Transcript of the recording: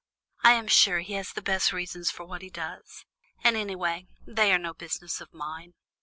I am sure he has the best of reasons for what he does, and anyhow, they are no business of mine."